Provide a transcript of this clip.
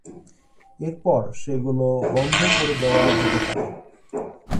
এরপর, সেগুলো বন্ধ করে দেওয়া যেতে পারে।